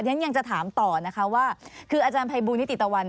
ฉะนั้นยังจะถามต่อว่าคืออาจารย์ภัยบูรณ์นิติตะวัน